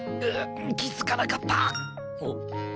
気づかなかったん？